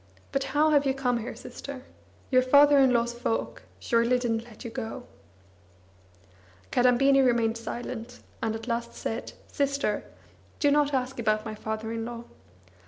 But how hate you come here, sister? Your father in law's folk surely didn't let you go!" Kadambini remained silent, and at last said: "Sister, do not ask about my father in law.